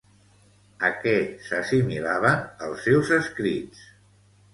A què s'assimilaven els seus escrits?